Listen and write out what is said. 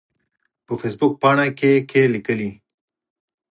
په فیسبوک پاڼه کې کې لیکلي